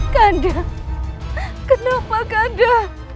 kanda kenapa kanda